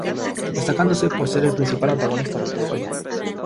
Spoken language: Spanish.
Destacándose por ser el principal antagonista de la historia.